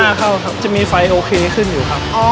เข้าครับจะมีไฟโอเคขึ้นอยู่ครับ